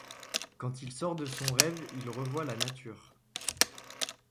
Quand il sort de son rêve, il revoit la nature.